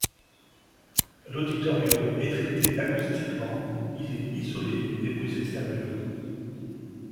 L'auditorium est traité acoustiquement, il est isolé des bruits extérieurs.